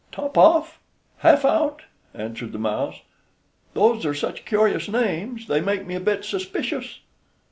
"Top off! Half out!" answered the mouse; "those are such curious names, they make me a bit suspicious."